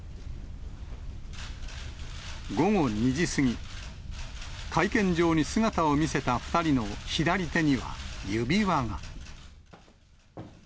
午後２時過ぎ、会見場に姿を見せた２人の左手には指輪が。